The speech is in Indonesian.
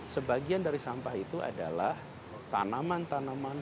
sebagian dari sampah itu adalah tanaman tanaman